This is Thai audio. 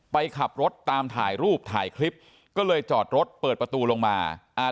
ไปขับรถตามถ่ายรูปถ่ายคลิปก็เลยจอดรถเปิดประตูลงมาอ่า